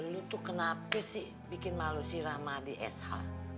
lu tuh kenapa sih bikin malu si rahmadi esha